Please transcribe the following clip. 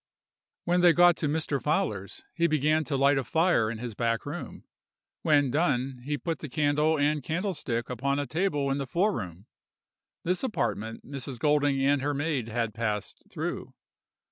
"When they got to Mr. Fowler's, he began to light a fire in his back room. When done, he put the candle and candlestick upon a table in the fore room. This apartment Mrs. Golding and her maid had passed through.